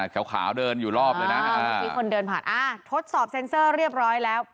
ขาวเดินอยู่รอบเลยนะมีคนเดินผ่านอ่าทดสอบเซ็นเซอร์เรียบร้อยแล้ว